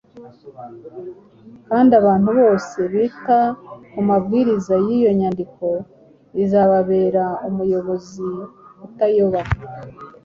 kandi abantu bose bita ku mabwiriza y’iyo nyandiko izababera umuyobozi utayoba,